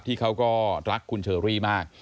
เขาก็รักคุณเชอรี่มาก